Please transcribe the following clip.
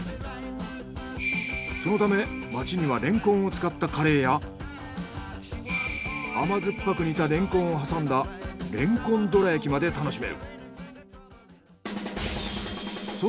そのため町にはレンコンを使ったカレーや甘酸っぱく煮たレンコンを挟んだレンコンどら焼きまで楽しめる。